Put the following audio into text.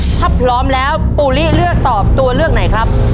ถ้าพร้อมแล้วปูลิเลือกตอบตัวเลือกไหนครับ